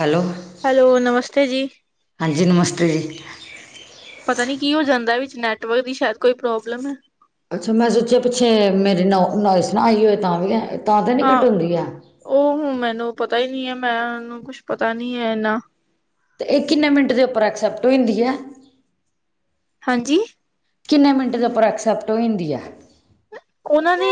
Hello hello ਨਮਸਤੇ ਜੀ। ਹਾਂਜੀ ਨਮਸਤੇ ਜੀ। ਪਤਾ ਨੀ ਕੀ ਹੋ ਜਾਂਦਾ, ਵਿੱਚ ਨੈਟਵਰਕ ਦੀ ਸ਼ਾਇਦ ਕੋਈ ਪ੍ਰੋਬਲਮ ਆ। ਅੱਛਾ ਮੈਂ ਸੋਚਿਆ ਪਿੱਛੇ ਮੇਰੀ ਨੌ ਨਇਸ ਨਾ ਆਈ ਹੋਏ ਤਾਂ ਵੀ ਤਾਂ ਨੀ ਕਟੋਂਦੀ ਐ। ਓ ਹੁਣ ਮੈਨੂੰ ਪਤਾ ਈ ਨੀ ਐ, ਮੈਂ ਓਨੂੰ ਕੁਛ ਪਤਾ ਨੀ ਐ ਏਨਾ। ਏ ਕਿੰਨੇ ਮਿੰਟ ਦੇ ਉਪਰ ਅਕਸੈਪਟ ਹੋ ਆਂਦੀ ਐ? ਹਾਂਜੀ ਕਿੰਨੇ ਮਿੰਟ ਦੇ ਓਪਰ ਐਕਸੈਪਟ ਹੋ ਐਂਦੀ ਐ? ਓਨਾਂ ਨੇ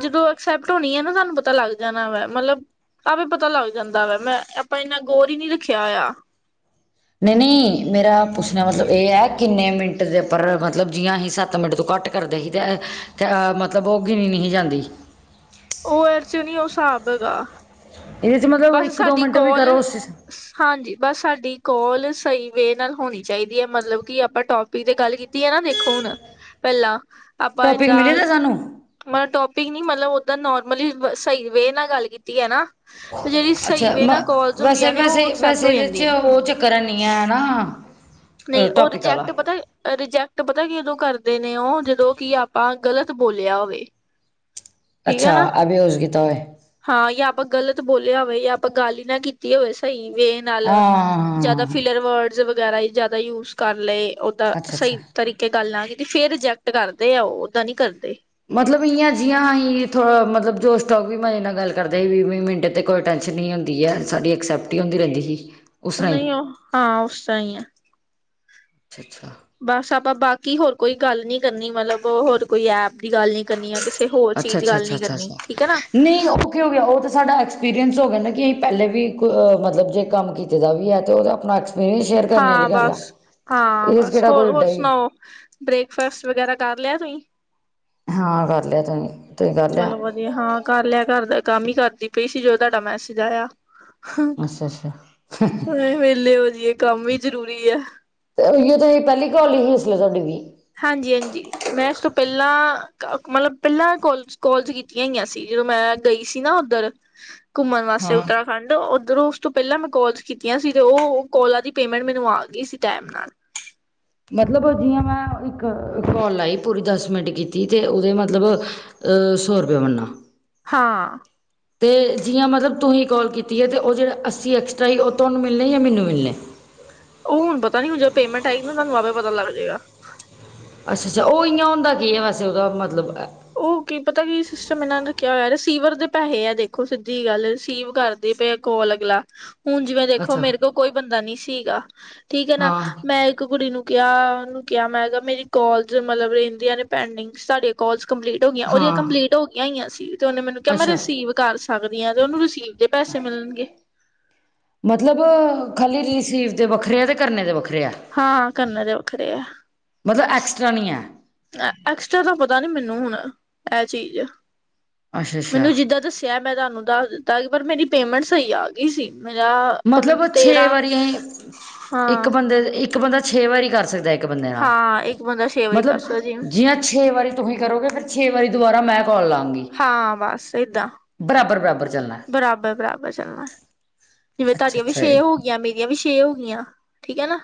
ਜਦੋਂ ਅਕਸੈਪਟ ਹੋਣੀ ਆ ਨਾ ਸਾਨੂੰ ਪਤਾ ਲੱਗ ਜਾਣਾ ਵਾ। ਮਲਬ ਤਾਂਵੀ ਪਤਾ ਲੱਗ ਜਾਂਦਾ ਵਾ, ਮੈਂ ਆਪਾਂ ਏਨਾ ਗੌਰ ਈ ਨੀ ਰੱਖਿਆ ਹੋਇਆ। ਨ‌ਈ- ਨਈ ਮੇਰਾ ਪੁੱਛਣਾ ਮਤਲਬ ਏ ਐ, ਕਿੰਨੇ ਮਿੰਟ ਦੇ ਪਰ ਮਤਲਬ ਜੀਆਂ ਅਹੀਂ ਸੱਤ ਮਿੰਟ ਤੋਂ ਘੱਟ ਕਰਦੇ ਹੀ ਤੇ, ਤੇ ਮਤਲਬ ਓ ਗਿਣੀ ਨੀ ਹੀਂ ਜਾਂਦੀ। ਓ ਏਰ 'ਚ ਨੀ ਓ ਸਾਬ ਹੈਗਾ। ਏਦੇ 'ਚ ਮਤਲਬ ਬਸ ਇੱਕ ਦੋ ਸਾਡੀ ਮਿੰਟ ਵੀ ਕੋਲ ਕਰੋ, ਸ ਹਾਂਜੀ ਬਸ ਸਾਡੀ ਕੋਲ ਸ‌ਈ ਵੇ ਨਾਲ ਹੋਣੀ ਚਾਈਦੀ ਐ, ਮਤਲਬ ਕਿ ਆਪਾਂ ਟੋਪ ਪੀ ਤੇ ਗੱਲ ਕੀਤੀ ਆ ਨਾ ਵੇਖੋ ਹੁਣ। ਪੈਲਾਂ ਆਪਾਂ ਟੋਪਿਕ ਮਿਲੇ ਏਦਾਂ ਦਾ ਸਾਨੂੰ ਮਲ ਟੋਪਿਕ ਨੀ ਮਲਬ ਓਦਾ ਨੋਰਮਲੀ ਸ‌ਈ ਵੇ ਨਾਲ ਗੱਲ ਕੀਤੀ ਐ ਨਾ। ਜਰੀ ਸ‌ਈ ਅੱਛਾ ਵੇ ਮ ਨਾਲ ਕੋਲਸ ਵੈਸੇ-ਵੈਸੇ ਹੁੰਦੀਆਂ ਨੇ, ਓ ਵੈਸੇ ਅਕਸੈਪਟ ਵੈਸੇ ਹੋ ਇਹਦੇ ਚ ਜਾਂਦੀਆਂ। ਉਹ ਚੱਕਰ ਨੀ ਐ ਨਾ ਨਈ ਓ ਟੋਪਿਕ ਰਜੈਕਟ ਆਲਾ। ਪਤਾ ਰਿਜੈਕਟ ਪਤਾ ਕੀ ਓਦੋਂ ਕਰਦੇ ਨੇ ਓ, ਜਦੋਂ ਕੀ ਆਪਾਂ ਗ਼ਲਤ ਬੋਲਿਆ ਓਵੇ। [inaudible] ਅੱਛਾ ਅਭਿਊਜ਼ ਕੀਤਾ ਹੋਏ। ਹਾਂ ਜਾਂ ਆਪਾਂ ਗ਼ਲਤ ਬੋਲਿਆ ਹੋਵੇ ਜਾਂ ਆਪਾਂ ਗੱਲ ਈ ਨਾ ਕੀਤੀ ਹੋਵੇ ਸ‌ਈ ਵੇ ਨਾਲ ਜਾਦਾ ਫਿਲਰ ਵਰਡਸ ਵਗੈਰਾ ਜਾਦਾ ਯੂਸ ਕਰ ਲਏ, ਓਦਾ ਸ‌ਈ ਤਰੀਕ ਕੇ ਗੱਲ ਨਾ ਕੀਤੀ ਫੇਰ ਰਿਜੈਕਟ ਕਰਦੇ ਆ ਓ, ਓਦਾ ਨੀ ਕਰਦੇ। ਮਤਲਬ ਇਆ ਜਿਆਂ ਅਸੀਂ ਥੋੜਾ ਮਤਲਬ ਜੋਸ਼ ਸਟੋਕ, ਵੀ ਮਜੇ ਨਾਲ ਗੱਲ ਕਰਦੇ ਹੀ ਵੀ -ਵੀ ਮਿੰਟ। ਤੇ ਕੋਈ ਟੈਂਨਸ਼ਨ ਨਹੀਂ ਹੁੰਦੀ ਐ ਸਾਡੀ ਐਕਸੈਪਟ ਹੀ ਹਦੀ ਰਹਿੰਦੀ ਹੀ ਉਸ ਤਰ੍ਹਾਂ ਨਹੀਂ ਉਹ ਹਾਂ ਉਸ ਤਾ ਈ ਐ ਅੱਛਾ ਅੱਛਾ ਬਸ ਆਪਾਂ ਬਾਕੀ ਹੋਰ ਕੋਈ ਗੱਲ ਨੀ ਕਰਨੀ ਮਲਬ ਹੋਰ ਕੋਈ ਐਪ ਪੀ ਗੱਲ ਨੀ ਕਰਨੀ ਆ ਕਿਸੇ ਹੋਰ ਅੱਛਾ ਅੱਛਾ ਚੀਜ਼ ਦੀ ਅੱਛਾ ਗੱਲ ਅੱਛਾ ਨੀ ਅੱਛਾ ਕਰਨੀ ਅੱਛਾ ਠੀਕ ਐ ਨਾ ਨਹੀਂ ਉਹ ਕੀ ਹੋ ਗਿਆ ਉਹ ਤੇ ਸਾਡਾ ਐਕਸਪੀਰੀਅਂ ਹੋ ਗਿਆ ਨਾ ਕਿ ਪਹਿਲੇ ਵੀ ਮਤਲਬ ਜੇ ਕੰਮ ਖਿੱਚ ਦਾ ਵੀ ਹੈ ਤੇ ਉਹਦਾ ਆਪਣਾ ਇਹ ਵੀ ਸ਼ੇਅਰ ਕਰਨ ਹਾਂ ਵਾਲੀ ਗੱਲ ਆ ਬਸ ਹਾਂ ਇਸ ਬਸ ਕਿਹੜਾ ਹੋਰ ਕੋਈ ਹੋਰ ਏਡਾ ਇ ਸੁਣਾਓ ਬ੍ਰੇਕਫਾਸਟ ਵਗੈਰਾ ਕਰ ਲਿਆ ਤੁਹੀ ਹਾਂ ਕਰ ਲਿਆ ਤਹੀ ਚਲੋ ਵਧੀਆ ਹਾਂ ਕਰ ਲਿਆ ਘਰ ਦਾ ਕੰਮ ਹੀ ਕਰਦੀ ਪਈ ਸੀ ਜੋ ਤੁਹਾਡਾ ਮੈਸੇਜ ਆਇਆ ਹਾਏ ਅੱਛਾ ਅੱਛਾ ਹੁਣੇ ਵੇਹਲੇ ਹੋ ਜਾਈਏ ਕੰਮ ਵੀ ਜਰੂਰੀ ਐ ਏ ਜੇ ਤੋ ਪਹਿਲੀ ਕਾਲ ਸੀ ਇਸ ਲੀਏ ਤੁਹਾਡੀ ਵੀ ਹਾਂਜੀ ਜੀ ਮੈਂ ਇਸ ਤੋਂ ਪਹਲਾਂ ਕਾ ਮਲਬ ਪਹਿਲਾਂ ਕੋਲ ਕੋਲਸ ਕੀਤੀਆਂ ਹੋਈਆਂ ਸੀ ਜਦੋਂ ਮੈਂ ਗਈ ਸੀ ਨਾ ਓਧਰ ਘੁੰਮਣ ਵਾਸਤੇ ਸਿਵ ਹਾਂ ਧਾਮ ਹਾ ਡੋ ਓ ਉੱਧਰੋਂ ਉਸ ਤੋਂ ਪਹਿਲਾਂ ਮੈਂ ਕੋਲ ਕੀਤੀਆਂ ਸੀ ਤੇ ਉਹ ਕੋਲਾਂ ਦੀ ਪੇਮੈਂਟ ਮੈਨੂੰ ਆ ਗਈ ਸੀ ਟਾਈਮ ਨਾਲ ਮਤਲਬ ਜੀਆਂ ਮੈਂ ਇੱਕ ਕੋਲੀ ਲਾਈ ਪੂਰੀ ਦਸ ਮਿੰਟ ਕੀਤੀ ਤੇ ਉਹਦੇ ਮਤਲਬ ਆ ਸੌ ਰੁਪਏ ਬੰਨਨਾ ਹਾਂ ਤੇ ਜੀਆਂ ਮਤਲਬ ਤੁਹੀ ਕਾਲ ਕੀਤੀ ਹੈ ਤੇ ਓਹ ਜੜੇ ਅੱਸੀ ਐਕਸਟਰਾ ਸੀ ਉਹ ਤੁਹਾਨੂੰ ਮਿਲਣੇ ਜਾਂ ਮੈਨੂੰ ਮਿਲਣੇ ਆ ਉਹ ਹੁਣ ਪਤਾ ਨੀ ਹੁਣ ਜਦ ਪੇਮੈਂਟ ਆਏਗੀ ਨਾ ਤੁਹਾਨੂੰ ਆਵੇ ਪਤਾ ਲੱਗ ਜੇਗਾ ਅੱਛਾ ਅੱਛਾ ਉਹ ਈਆ ਹੁੰਦਾ ਕਿ ਹੈ ਵੈਸੇ ਉਹਦਾ ਮਤਲਬ ਏ ਉਹ ਕੀ ਪਤਾ ਵੀ ਸਿਸਟਮ ਇਹਨਾਂ ਨੇ ਰੱਖਿਆ ਹੋਇਆ ਰਿਸੀਵਰ ਦੇ ਪੈਸੇ ਆ ਦੇਖੋ ਸਿੱਧੀ ਗੱਲ ਰਿਸੀਵ ਕਰ ਦੇ ਪਏ ਅੱਗਲਾ ਕੋਲ ਅਗਲਾ ਹੁਣ ਜਿਵੇਂ ਦੇਖੋ ਅੱਛਾ ਮੇਰੇ ਕੋਲ ਕੋਈ ਬੰਦਾ ਨਹੀਂ ਸੀਗਾ ਠੀਕ ਹੈ ਨਾ ਹਾਂ ਮੈਂ ਇੱਕ ਕੁੜੀ ਨੂੰ ਕਿਆ ਉਨੂੰ ਕਿਹਾ ਮੈਂ ਮੇਰੀ ਕੋਲਜ ਮਲਬ ਰਹਿੰਦੀਆਂ ਨੇ ਪੈਂਡਿੰਗ ਸਾਡੀਆਂ ਕੋਲਸ ਕੰਪਲੀਟ ਉਹ ਦੀਆਂ ਹਾਂ ਕੰਪਲੀਟ ਹੋ ਗਈਆਂ ਹੋਈਆਂ ਸੀ ਤੇ ਉਹਨੇ ਮੈਨੂੰ ਕਿਹਾ ਮੈਂ ਅੱਛਾ ਰਿਸੀਵ ਕਰ ਸਕਦੀ ਆ ਤੇ ਉਹਨੂੰ ਰਿਸੀਵ ਦੇ ਪੈਸੇ ਮਿਲਣਗੇ ਮਤਲਬ ਖੱਲੀ ਰਿਸੀਵ ਦੇ ਵੱਖਰੇ ਆ ਤੇ ਕਰਨੇ ਦੇ ਵੱਖਰੇ ਆ ਹਾਂ ਕਰਨੇ ਦੇ ਵੱਖਰੇ ਆ ਮਤਲਬ ਐਕਸਟਰਾ ਨਹੀਂ ਹੈ ਐਕਸਟਰਾ ਦਾ ਪਤਾ ਨਹੀਂ ਮੈਨੂੰ ਹੁਣ ਐ ਚੀਜ਼ ਅੱਛਾ ਅੱਛਾ ਮੈਨੂੰ ਜਿੱਦਾਂ ਦੱਸਿਆ ਮੈਂ ਤਾ ਨੂੰ ਦੱਸ ਦਿੱਤਾ ਪਰ ਮੇਰੀ ਪੇਮੈਂਟ ਸਹੀ ਆ ਗਈ ਸੀ ਮੇਰਾ ਪਜਾਆ ਮਤਲਬ ਛੇ ਵਾਰੀ ਐਹੀ ਇੱਕ ਹਾਂ ਬੰਦੇ ਇੱਕ ਬੰਦਾ ਛੇ ਵਾਰੀ ਕਰ ਸਕਦਾ ਐ ਇੱਕ ਬੰਦੇ ਨਾਲ ਹਾਂ ਇੱਕ ਬੰਦਾ ਛੇ ਵਾਰੀ ਕਰ ਮਤਲਬ ਸਕਦਾ ਜਿਵੇਂ ਜੀਆਂ ਛੇ ਵਾਰੀ ਤੁਹੀ ਕਰੋਗੇ ਪਰ ਛੇ ਵਾਰੀ ਦੁਬਾਰਾ ਮੈਂ ਕੋਲ ਲਾ ਗੀ ਹਾਂ ਬਸ ਏਦਾਂ ਬਰਾਬਰ ਚੱਲਣਾ ਬਰਾਬਰ ਬਰਾਬਰ ਚੱਲਣਾ ਆ ਜਿਵੇਂ ਅੱਛਾ ਤਾਔਡੀਆਂ ਵੀ ਅੱਛਾ ਛੇ ਇਹ ਹੋ ਗਈਆਂ ਮੇਰੀਆਂ ਵੀ ਛੇ ਹੋ ਗਈਆਂ ਠੀਕ ਐ ਨਾ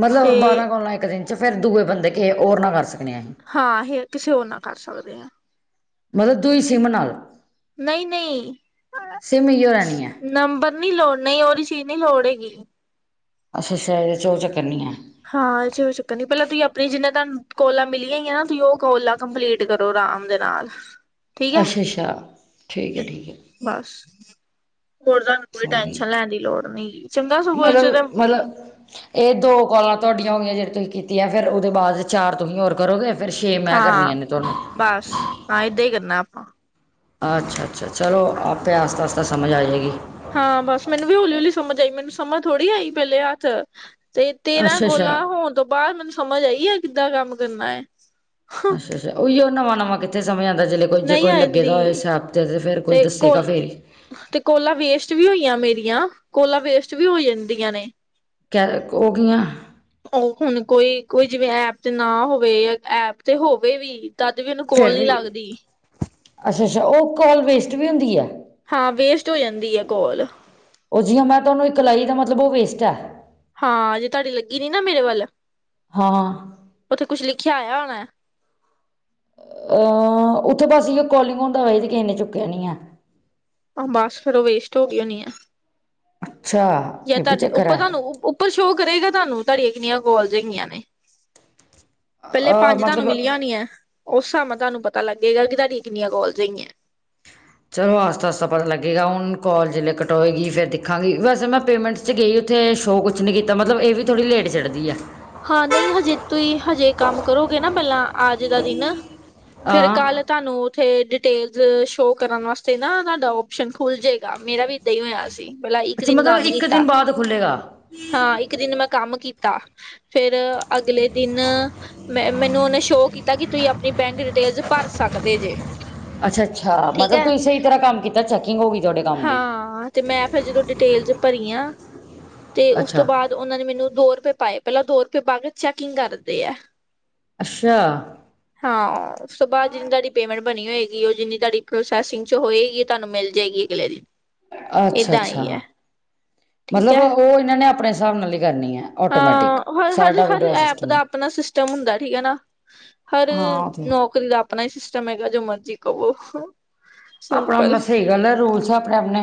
ਮਤਲਬ ਤੇ ਬਾਰਾਂ ਕੋਲਾ ਇੱਕ ਦਿਨ ਚ ਫਿਰ ਦੂਏ ਬੰਦੇ ਕਿਸ ਹੋਰ ਨਾ ਕਰ ਸਕਦੇ ਆ ਅਸੀਂ ਹਾਂ ਹੇਰ ਕਿਸੇ ਹੋਰ ਨਾ ਕਰ ਸਕਦੇ ਆ ਮਤਲਬ ਤੂਹੀ ਸਿੰਮ ਨਾ ਲੋ ਨਹੀਂ ਨਹੀਂ ਈ ਸਿਮ ਇਓ ਰਹਿਣੀ ਹੈ ਨੰਬਰ ਨੀ ਲੋੜ ਨਹੀਂ ਉਹਦੀ ਚੀਜ਼ ਨਹੀਂ ਲੋੜ ਹੈਗੀ ਅੱਛਾ ਅੱਛਾ ਇਹਦੇ ਚ ਉਹ ਚੱਕਰ ਨਹੀਂ ਹੈ ਹਾਂ ਇਦੇ ਚ ਕੋਈ ਚੱਕਰ ਨਹੀਂ ਪਹਿਲਾਂ ਤੁਸੀਂ ਆਪਣੀ ਜਿੰਨੇ ਤੁਹਾਨੂੰ ਕੋਲਾ ਮਿਲੀਆਂ ਈਆਂ ਨਾ ਤੁਹੀ ਓਹ ਕੋਲ ਲਾਉ ਕੰਪਲੀਟ ਕਰੋ ਰਾਮ ਦੇ ਨਾਲ ਠੀਕ ਐ, ਅੱਛਾ ਅੱਛਾ ਠੀਕ ਹੈ ਠੀਕ ਹੈ ਬਸ, ਹੋਰ ਤਾਨੂੰ ਕੋਈ ਸਮਝ ਗਈ ਟੈਨਸ਼ਨ ਲੈਣ ਦੀ ਲੋੜ ਨੀ ਹੈਗੀ, ਚੰਗਾ ਸਗੋ ਏਦੇ ਚ ਏਹ ਦੋ ਕੋਲਾਂ ਤੁਆਡੀਆਂ ਹੋ ਗਈਆਂ ਜੇੜੀ ਤੁਸੀਂ ਕੀਤੀ ਐ ਫੇਰ ਓਦੇ ਬਾਦ ਚਾਰ ਤੁਹੀ਼ ਹੋਰ ਕਰੋਗੇ ਫੇਰ ਛੇ ਮੈਂ ਹਾਂ ਕਰਨੀਆਂ ਨੇ ਤੁਆਨੂੰ ਬਸ ਹਾਂ ਏਦਾਂ ਈ ਕਰਨਾ ਆਪਾਂ ਅੱਛਾ-ਅੱਛਾ ਚਲੋ ਆਪੇ ਆਸਤਾ-ਆਸਤਾ ਸਮਝ ਆ ਜੇਗੀ। ਹਾਂ ਬਸ ਮੈਨੂੰ ਵੀ ਹੌਲੀ-ਹੌਲੀ ਸਮਝ ਆਈ ਮੈਨੂੰ ਸਮਝ ਥੋੜ੍ਹੀ ਆਈ ਪੈਲੇ ਹਾਥ ਤੇ ਤੇਰਾਂ ਅੱਛਾ ਕੋਲਾਂ ਅੱਛਾ ਹੋਣ ਤੋਂ ਬਾਦ ਮੈਨੂੰ ਸਮਝ ਆਈ ਆ ਕਿੱਦਾਂ ਕੰਮ ਕਰਨਾ ਐ। ਅੱਛਾ-ਅੱਛਾ ਓਈ ਓ ਨਵਾਂ-ਨਵਾਂ ਕਿੱਥੇ ਸਮਝ ਆਂ ਜੇ ਜੇ ਕੋ ਨਹੀਂ ਲੱਗੇ ਆਂਦੀ ਹੋਵੇ ਏ ਸ ਤੇ ਕੋਲ ਤੇ ਕੋਲਾ ਵੇਸਟ ਵੀ ਹੋਈਯਾ ਮੇਰੀਆਂ, ਕੋਲਾ ਵੇਸਟ ਵੀ ਹੋ ਜਾਂਦੀਆਂ ਨੇ ਕੈ ਓ ਕਿਵੇ ਓ ਹੁਣ ਕੋਈ-ਕੋਈ ਜਿਵੇਂ ਐਪ ਤੇ ਨਾ ਹੋਵੇ ਜਾਂ ਐਪ ਤੇ ਹੋਵੇ ਵੀ ਤਦ ਵੀ ਇਨੂੰ ਫੇਰ ਕੋਲ ਨੀ ਵੀ ਲੱਗਦੀ ਅੱਛਾ-ਅੱਛਾ ਓ ਕੋਲ ਵੇਸਟ ਵੀ ਹੁੰਦੀ ਐ। ਹਾਂ ਵੇਸਟ ਹੋ ਜਾਂਦੀ ਏ ਕੋਲ। ਓ ਜੀਵੇ ਮੈਂ ਤੁਆਨੂੰ ਏਕ ਲਾਈ ਏਦਾ ਮਤਲਬ ਓਹ ਵੇਸਟ ਐ। ਹਾਂ ਜੇ ਤੁਆਡੀ ਲੱਗੀ ਨੀ ਨਾ ਮੇਰੇ ਵੱਲ, ਹਾਂ ਓਥੇ ਕੁਛ ਲਿਖਿਆ ਆਯਾ ਹੋਣਾ। ਅਹ ਉੱਥੇ ਬਸ ਇਓ ਕਾਲਿੰਗ ਹੁੰਦਾ ਵਾ ਕਿ ਇਨੇ ਚੁੱਕਿਆ ਨੀ ਏ। ਬਸ ਫੇਰ ਓ ਵੇਸਟ ਹੋ ਗਈ ਹੋਣੀ ਏ। ਅੱਛਾ। ਜਾਂ ਇਹ ਵੀ ਤਾਡੇ ਚੱਕਰ ਉੱਪਰ ਐ। ਤੁਆਨੂੰ ਉੱਪਰ ਸ਼ੋਅ ਕਰੇਗਾ ਤਾਨੂੰ ਤੁਆਡੀਆਂ ਕਿੰਨੀਆਂ ਕੋਲਜ ਹੈਗੀਆਂ ਨੇ ਪੈਲੇ ਅ ਪੰਜ ਤੁਆਨੂੰ ਮਤਲਬ ਮਿਲੀਆਂ ਹੋਨੀਯਾ ਐ, ਓਸ ਸਾਬ ਤੁਆਨੂੰ ਪਤਾ ਲੱਗੇਗਾ ਕਿ ਤੁਆਡੀ ਕਿੰਨੀਆਂ ਕੋਲ ਸਈ ਐ। ਚਲੋ ਆਸਤਾ-ਆਸਤਾ ਪਤਾ ਲੱਗੇਗਾ ਹੁਣ ਕੋਲ ਜੇ ਕਟੋਏਗੀ ਫੇਰ ਦੇਖਾਂਗੀ ਵੈਸੇ ਮੈਂ ਪੇਮੈਂਟ ਚ ਗਈ ਓਥੇ ਸ਼ੋ ਕੁਛ ਨੀ ਕੀਤਾ ਮਤਲਬ ਏਹ ਵੀ ਥੋੜ੍ਹ ਲੇਟ ਚੜ੍ਹਦੀ ਐ। ਹਾਂ ਨਈ ਹਜੇ ਤੁਸੀਂ ਹਜੇ ਕੰਮ ਕਰੋਗੇ ਨਾ ਪੈਲਾਂ ਆਜ ਦਾ ਦਿਨ, ਫੇਰ ਹਾਂ। ਕੱਲ ਤਾਨੂੰ ਉੱਥੇ ਡਿਟੇਲਜ਼ ਸ਼ੋਅ ਕਰਨ ਵਾਸਤੇ ਨਾ ਤੁਆਡਾ ਓਪਸ਼ਨ ਖੁੱਲ੍ਹ ਜੇਗਾ ਮੇਰਾ ਵੀ ਏਦਾਂ ਹੀ ਹੋਯਾ ਸੀ। ਪੈਲਾ ਇੱਕ ਅੱਛਾ ਦਿਨ ਮਤਲਬ ਕੰਮ ਇੱਕ ਕੀਤਾ, ਦਿਨ ਬਾਅਦ ਖੁੱਲੇਗਾ ਹਾਂ ਇੱਕ ਦਿਨ ਮੈਂ ਕੰਮ ਕੀਤਾ ਫੇਰ ਅਗਲੇ ਦਿਨ ਮੈਂ ਮੈਨੂੰ ਓਨੇ ਸ਼ੋਅ ਕੀਤਾ ਕਿ ਤੁਸੀਂ ਆਪਣੀ ਬੈਂਕ ਡਿਟੇਲਸ ਪਾਰ ਸਕਦੇ ਜੇ ਅੱਛਾ-ਅੱਛਾ ਠੀਕ ਮਤਲਬ ਹੈ ਤੁਸੀਂ ਸਈ ਤਰ੍ਹਾਂ ਕੰਮ ਕੀਤਾ ਚੈਕਿੰਗ ਹੋ ਗਈ ਤੁਆਡੇ ਕੰਮ ਦੀ ਹਾਂ ਤੇ ਮੈਂ ਫਿਰ ਜਦੋਂ ਡਿਟੇਲਸ ਪਰੀਆ, ਤੇ ਉਸ ਅੱਛਾ ਤੋਂ ਬਾਦ ਓਨਾਂ ਨੇ ਮੈਨੂੰ ਦੋ ਰੁਪਏ ਪਾਏ। ਪੈਲਾਂ ਦੋ ਰੁਪਏ ਪਾਕੇ ਚੈਕਿੰਗ ਕਰਦੇ ਆ। ਅੱਛਾ ਹਾਂ ਅ ਉਸ ਤੋਂ ਬਾਅਦ ਜਿੰਨੀ ਤਾਡੀ ਪੇਮੈਂਟ ਬਣੀ ਹੋਏਗੀ ਓ ਜਿੰਨੀ ਤਾਡੀ ਪ੍ਰੋਸੈਸਿੰਗ ਚ ਹੋਏਗੀ ਤੁਆਨੂੰ ਮਿਲ ਜਾਏਗੀ ਅਗਲੇ ਦਿਨ ਏਦਾਂ ਅੱਛਾ-ਅੱਛਾ। ਹੀ ਹੈ ਠੀਕ ਮਤਲਬ ਹੈ ਓਹ ਏਨਾਂ ਨੇ ਆਪਣੇ ਸਾਬ ਨਾਲ ਈ ਕਰਨੀ ਐ ਆਟੋਮੈਟਿਕ ਸਾਡਾ ਹਰ-ਹਰ ਵਿਡਰਾ ਐਪ ਸਿਸਟਮ ਹੈ ਦਾ ਅਪਣਾ ਸਿਸਟਮ ਹੁੰਦਾ ਠੀਕ ਏ ਨਾ ਹਰ ਹਾਂ ਉਹ ਤੇ ਓ ਕੈਂਦੇ ਆਪਣਾ ਈ ਸਿਸਟਮ ਹੈਗਾ ਜੋ ਮਰਜ਼ੀ ਕਹਵੋ ਆਪਣਾ-ਆਪਣਾ ਸਈ ਗੱਲ ਐ, ਰੂਲਸ ਏ ਆਪਣੇ-ਆਪਣੇ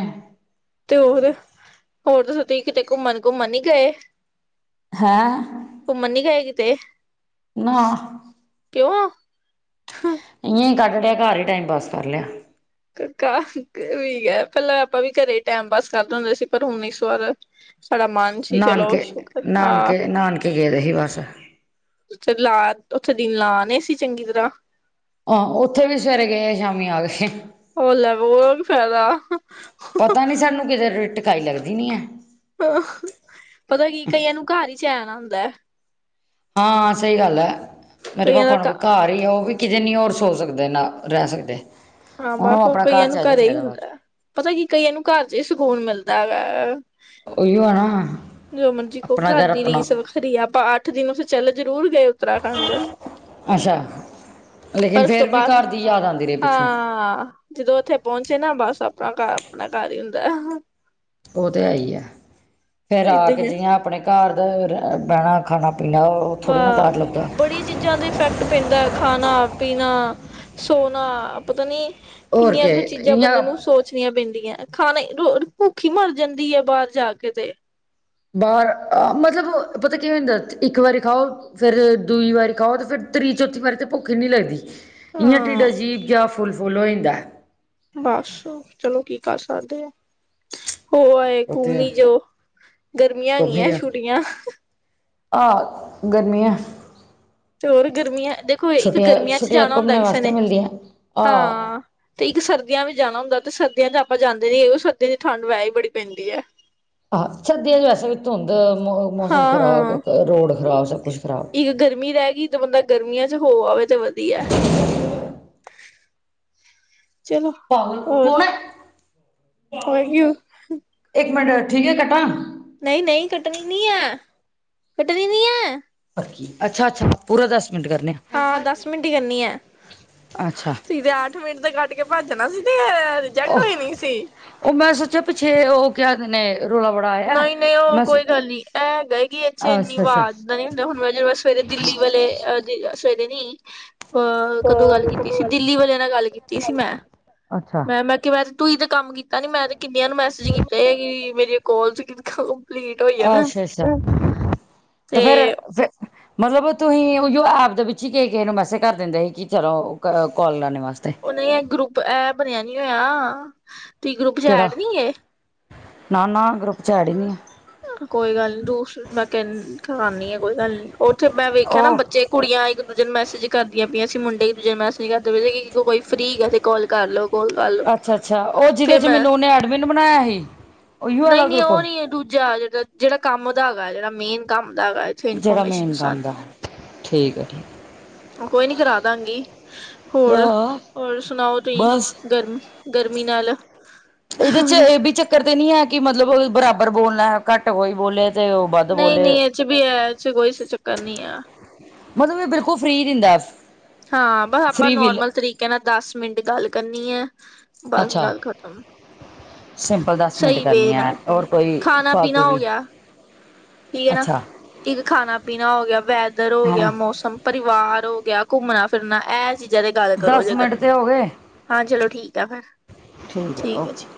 ਤੇ ਹੋਰ, ਹੋਰ ਤੁਸੀਂ ਠੀਕ ਕਿਤੇ ਕੁੰਮਣ-ਕੁੰਮਣ ਨੀ ਗਏ ਹੈਂ। ਕੁੰਮਣ ਨੀ ਗਏ ਕਿਤੇ? ਨਾ ਕਿਉਂ। ਇ ਵੇਂ ਹੀ ਕੱਢ ਲਿਆ ਘਰ ਹੀ ਟਾਈਮ ਪਾਸ ਕਰ ਲਿਆ ਕਕਾ ਵੀ ਪੈਲਾਂ ਆਪਾਂ ਵੀ ਘਰੇ ਟੈਮ ਪਾਸ ਕਰਦੇ ਹੁੰਦੇ ਸੀ ਪਰ ਹੁਣ ਇਸ ਵਾਰ ਸਲਾਮਾਨ [unintelligible] ਨਾਨਕੇ ਗਏਦੇ ਸੀ ਬਸ ਥੇ ਲਾ ਉਥੇ ਦਿਨ ਲਾਆਣੇ ਸੀ ਚੰਗੀ ਤਰ੍ਹਾਂ ਹਾਂ ਉੱਥੇ ਵੀ ਸਵੇਰੇ ਗਏ ਸ਼ਾਮੀ ਆ ਗਏ ਹੋ ਲੈ ਉਹ ਫਾਇਦਾ ਪਤਾ ਨੀ ਸਾਨੂੰ ਕਿਦੇੇਟ ਸਕਾਈ ਲੱਗਦੀ ਨਹੀਂ ਹੈ ਹ ਪਤਾ ਕੀ ਕਈਆਂ ਨੂੰ ਘਰ ਹੀ ਚੈਨ ਆਂਦਾ ਹੁੰਦਾ ਹਾਂ ਸਹੀ ਗੱਲ ਹੈ ਮੇਰੇ ਕਈਆਂ ਦਾ ਪਾਪਾ ਨੂੰ ਵੀ ਘਰ ਉਹ ਵੀ ਕਿਤੇ ਨੀ ਹੋਰ ਸੋ ਸਕਦੇ ਨਾ ਰਹਿ ਸਕਦੇ ਹਾਂ ਬਸ ਉਹਨੂੰ ਉਹ ਆਪਣਾ ਕਈਆਂ ਘਰ ਨੂੰ ਚਾਹੀਦਾ ਘਰੇ ਹੀ ਚਾਹੀਦਾ ਬਾਅਦ 'ਚ ਹੁੰਦਾ ਪਤਾ ਕੀ ਕਈਆਂ ਨੂੰ ਘਰ ਚ ਹੀ ਸਕੂਨ ਮਿਲਦਾ ਹੈਗਾ ਉਹੀਓ ਐ ਨਾ ਜੋ ਮਰਜੀ ਕੋ ਆਪਣਾ ਘਰ ਦੀ ਆਪਣਾ ਰੀਸ ਵੱਖਰੀ ਆਪਾਂ ਅੱਠ ਦਿਨ ਉੇਥੇ ਚੱਲ ਜਰੂਰ ਗਏ ਉੱਤਰਾਖੰਡ ਅੱਛਾ ਲੇਕਿਨ ਪਰ ਉਸ ਤੋਂ ਫਿਰ ਵੀ ਬਾਅਦ ਘਰ ਦੀ ਯਾਦ ਆਉਂਦੀ ਰਹੀ ਪਿੱਛੋਂ ਹਾਂ ਜਦੋਂ ਉੱਥੇ ਪਹੁੰਚੇ ਨਾ ਬਸ ਆਪਣਾ ਘਰ ਆਪਣਾ ਘਰ ਹੀ ਹੁੰਦਾ ਉਹ ਤੇ ਹੈ ਈਆ ਫੇਰ ਆ ਏਦਾਂ ਕੇ ਹੀ ਹੈ ਜੀਆਂ ਆਪਣੇ ਘਰ ਦਾ ਬਹਿਣਾ ਖਾਣਾ ਪੀਣਾ ਬ ਥੋੜ੍ਹੀ ਨਾ ਬਾਹਰ ਲੱਭਦਾ ਬੜੀ ਚੀਜ਼ਾਂ ਦਾ ਇਫੈਕਟ ਪੈਂਦਾ ਹੈ। ਖਾਣਾ ਪੀਣਾ ਸੋਣਾ ਪਤਾ ਨੀ ਹੋਰ ਕੀ ਕਿੰਨੀਆਂ ਕੁ ਚੀਜ਼ਾਂ ਬੰਦੇ ਇਆਂ ਨੂੰ ਸੋਚ ਣੀਆਂ ਪੈਂਦੀਆਂ ਖਾਣੇ ਰ ਭੁੱਖ ਹੀ ਮਰ ਜਾਂਦੀ ਹੈ। ਬਾਹਰ ਜਾ ਕੇ ਤੇ ਬਾਹਰ ਮਤਲਬ ਪਤਾ ਕੀ ਹੁੰਦਾ ਇੱਕ ਵਾਰੀ ਖਾਓ ਫੇਰ ਦੂਈ ਵਾਰੀ ਖਾਓ ਤੇ ਫੇਰ ਤ੍ਰੀ ਚੌਥੀ ਵਾਰੀ ਤੇ ਭੁੱਖ ਈ ਨੀ ਲੱਗਦੀ ਇਆਂ ਢਿੱਡ ਹਾਂ ਅਜੀਬ ਜਿਹਾ ਫੁੱਲ ਫੁੱਲ ਹੋ ਜਾਂਦਾ ਬਸ ਚਲੋ ਕੀ ਕਰ ਸਕਦੇ ਆ ਹੋ ਆਏ ਉੱਥੇ ਘੁੰਮੀ ਜੋ ਗਰਮੀਆਂ ਘੁੰਮੀ ਗੀਆਂ ਆ ਛੁੱਟੀਆਂ ਆਹ ਗਰਮੀੀਆਂ ਤੇ ਹੋਰ ਗਰਮੀਆਂ ਦੇਖੋ ਇੱਕ ਛੁੱਟੀਆਂ ਗਰਮੀਆਂ ਚ ਛੁੱਟੀਆਂ ਜਾਣਾ ਹੁੰਦਾ ਘੁੰਮਣੇ ਕਿਸੇ ਵਾਸਤੇ ਨੇ ਮਿਲਦੀਆਂ ਆਹ ਹਾਂ ਤੇ ਇੱਕ ਸਰਦੀਆਂ ਵੀ ਜਾਣਾ ਹੁੰਦਾ ਤੇ ਸਰਦੀਆਂ ਚ ਆਪਾਂ ਜਾਂਦੇ ਨੀ ਉਹ ਸਰਦੀਆਂ ਦੀ ਠੰਡ ਵਹਿ ਹੀ ਬੜੀ ਪੈਂਦੀ ਹੈ ਆਹੋ ਸਰਦੀਆਂ 'ਚ ਵੈਸੇ ਵੀ ਧੁੰਦ ਮੌਸਮ ਹਾਂ ਹਾਂ ਖਰਾਬ ਰੋਡ ਖਰਾਬ ਸਭ ਕੁਛ ਖਰਾਬ ਇੱਕ ਗਰਮੀ ਰਹਿ ਗਈ ਜ ਬੰਦਾ ਗਰਮੀਆਂ ਚ ਹੋ ਆਵੇ ਤਾਂ ਵਧੀਆ ਚਲੋ ਪਾਗਲ ਹੋਰ ਕੌਣ ਹੈ ਹੋ ਗ ਇੱਕ ਮਿੰਟ ਠੀਕ ਹੈ ਕੱਟਾ ਨਹੀਂ ਨਹੀਂ ਕੱਟਣੀ ਨਹੀਂ ਹੈ ਕੱਟਣੀ ਨਹੀਂ ਹੈ ਅੱਛਾ ਅੱਛਾ ਪੂਰਾ ਦਸ ਮਿੰਟ ਕਰਨੇ ਆ ਹਾਂ ਦਸ ਮਿੰਟ ਕਰਨੀ ਹੈ ਆ ਅੱਛਾ ਅੱਠ ਮਿੰਟ ਤੇ ਕੱਟ ਕੇ ਭੱਜਣਾ ਸੀ ਤੇ ਰਿਜੈਕਟ ਓਹ ਹੋਈ ਨ ਸੀ ਉਹ ਮੈਂ ਸੋਚਿਆ ਪਿੱਛੇ ਉਹ ਕਹਿ ਰੇ ਨੇ ਰੌਲਾ ਬੜਾ ਆਇਆ ਨਹੀਂ ਨਹੀਂ ਉਹ ਮੈਂ ਸੋ ਕੋਈ ਗੱਲ ਨਹੀ ਐ ਹੈਗਾ ਏ ਇੱਥੇ ਇੰਨੀ ਅੱਛਾ ਅੱਛਾ ਆਵਾਜ਼ ਦਾਂ ਨੀ ਹੁੰਦਾ ਹੁਣ ਮ ਜ ਸਵੇਰੇ ਦਿੱਲੀ ਵਾਲੇਹ ਸਵੇਰੇ ਨੀ ਅਹ ਕਦੋਂ ਗੱਲ ਕੀਤੀ ਸੀ ਦਿੱਲੀ ਵਾਲਿਆਂ ਨਾਲ ਗੱਲ ਕੀਤੀ ਸੀ ਮੈਂ ਅੱਛਾ ਮੈਂ ਮੈਂ ਕਿ ਮੈਂ ਤੂੰ ਤੇ ਕੰਮ ਕੀਤਾ ਨੀ ਮੈਂ ਤੇ ਕਿੰਨਿਆਂ ਨੂੰ ਮੈਸੇਜ ਕੀਤੇ ਕਿ ਮੇਰੇ ਕੋਲ ਚ ਅੱਛਾ ਅੱਛਾ ਤੇ ਫੇਿਰ ਫ ਮਤਲਬ ਤੁਸੀਂ ਓਈਓ ਐਪ ਦੇ ਵਿੱਚ ਹੀ ਕਿ ਕਿਸੇ ਨੂੰ ਮੈਸੇਜ ਕਰ ਦਿੰਦੇ ਸੀ ਕਿ ਚਲੋ ਕੋਲ ਲਾਨੇ ਵਾਸਤੇ। ਉ ਨਈ ਐ ਗਰੁੱਪ ਇਹ ਬਣਿਆ ਨੀ ਹੋਇਆ ਤੁਸੀਂ ਗਰੁੱਪ ਚ ਐਡ ਨੀ ਐ। ਨਾ-ਨਾ ਗਰੁੱਪ ਚ ਐੜ ਹੀ ਨੀ ਐ। ਕੋਈ ਗੱਲ ਨੀ ਦੂਸ ਮੈਂ ਕਹ ਕਰਾਨੀ ਆ ਕੋਈ ਗੱਲ ਨੀ ਉੱਥੇ ਮੈਂ ਆ ਵੇਖਿਆ ਨਾ ਉਹ ਬੱਚੇ ਕੁੜੀਆਂ ਇੱਕ ਦੂਜੇ ਨੂੰ ਮੈਸੇਜ ਕਰਦੀਆਂ ਪਈਆਂ ਸੀਂ ਮੁੰਡੇ ਇੱਕ ਦੂਜੇ ਮੈਸੇਜ ਕਰਦੇ ਪਏ ਸੀ ਕੋਈ ਫ੍ਰੀ ਹੈ ਤੇ ਕਾਲ ਕਰ ਲੋ। ਕਾਲ ਕਰ ਲੋ ਅੱਛਾ-ਅੱਛਾ ਓ ਜਿਹਦੇ ਫੇਰ ਚ ਮੈਨੂੰ ਉਨੇ ਐਡਮਿਨ ਬਣਾਇਆ ਹੀ। ਨਈਂ-ਨਈਂ ਉਹ ਨੀ ਹੈ ਦੂਜਾ ਜੇੜਾ-ਜੇੜਾ ਕੰਮ ਦਾ ਹੈਗਾ ਜਿਹੜਾ ਮੇਨ ਕੰਮ ਦਾ ਹੈਗਾ ਏ। ਉੱਥੇ ਜਿਹੜਾ ਮੇਨ ਇਨਫੋਰਮੇਸ਼ਨ ਕੰਮ ਦਾ ਆਦੀਆਂ। ਠੀਕ ਹੈ ਠੀਕ ਕੋਈ ਨੀ ਕਰਾ ਦਾਂਗੀ ਹੋਰ, ਹਾਂ ਹੋਰ ਸੁਣਾਓ ਤੁਹੀ ਬਸ ਗਰਮ ਗਰਮੀ ਨਾਲ ਇਹਦੇ ਚ ਇਹ ਵੀ ਚੱਕਰ ਤੇ ਨੀ ਹੈ ਕਿ ਮਤਲਬ ਬਰਾਬਰ ਬੋਲਣਾ ਘੱਟ ਕੋਈ ਬੋਲੇ। ਤੇ ਉਹ ਵੱਧ ਬੋਲੇ ਨਈਂ-ਨਈਂ ਏਚ ਵੀ ਐ ਏਚ ਕੋਈ ਚੱਕਰ ਨੀ ਐ। ਮਤਲਬ ਮੈਂ ਬਿਲਕੁਲ ਫ੍ਰੀ ਦਿੰਦਾ। ਹਾਂ ਬਸ ਆਪਾਂ ਫ੍ਰਰੀ ਵਿਲ ਨੋਰਮਲ ਤਰੀਕੇ ਨਾਲ ਦਸ ਮਿੰਟ ਗੱਲ ਕਰਨੀ ਐ ਬਸ ਅੱਛਾ ਗੱਲ ਖਤਮ। ਸਿੰਪਲ ਦਸ ਮਿੰਟ ਸਹੀ ਵੇ ਕਰਨੀ ਐ ਨਾਲ ਹੋਰ ਕੋਈ ਖਾਣਾ ਫਾਲਤੂ ਪੀਣਾ ਹੋ ਦੀ ਗਿਆ ਠੀਕ ਹੈ ਨਾ ਅੱਛਾ ਇੱਕ ਖਾਨਾ ਪੀਨਾ ਹੋ ਗਿਆ, ਵੈਦਰ ਹੋ ਹਾਂ ਗਿਆ, ਮੌਸਮ ਪਰਿਵਾਰ ਹੋ ਗਿਆ ਘੁੰਮਨਾ-ਫਿਰਨਾ ਐ ਚੀ ਜਦੇ ਗੱਲ ਕਰੋ ਦਸ ਜੇ ਮਿੰਟ ਤੇ ਕਰਨੀ ਹੋ ਗਏ ਹਾਂ ਚਲੋ ਠੀਕ ਐ ਫਿਰ, ਠੀਕ ਹੈ ਜੀ।